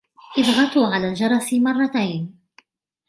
اضغطوا على الجرس مرتين.